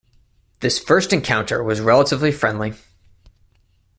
This first encounter was relatively friendly.